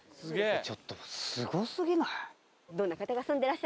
ちょっとすごすぎない？